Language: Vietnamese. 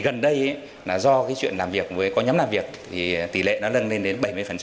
gần đây do chuyện làm việc với nhóm làm việc tỷ lệ nâng lên đến bảy mươi